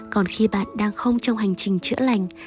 còn khi bạn đang không trong hành trình chữa lành